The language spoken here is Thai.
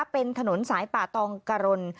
เป็นถนนสายป่าตองกะรน